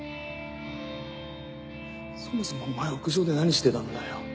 そもそもお前屋上で何してたんだよ？